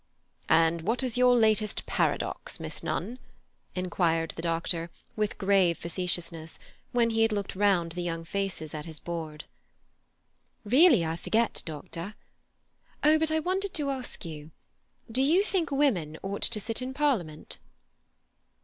"And what is your latest paradox, Miss Nunn?" inquired the doctor, with grave facetiousness, when he had looked round the young faces at his board. "Really, I forget, doctor. Oh, but I wanted to ask you, Do you think women ought to sit in Parliament?"